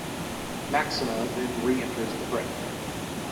Maxima then reenters the fray.